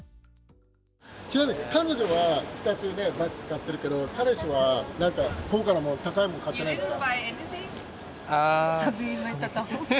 ちなみに彼女は２つバッグ買ってるけど、彼氏はなんか高価な、高いもの買ってないんですか？